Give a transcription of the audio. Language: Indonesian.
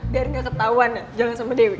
biar gak ketauan ya jangan sama dewi